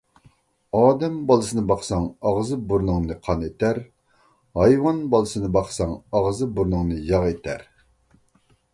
ئادەم بالىسىنى باقساڭ ئاغزى-بۇرنۇڭنى قان ئېتەر، ھايۋان بالىسىنى باقساڭ ئاغزى-بۇرنۇڭنى ياغ ئېتەر.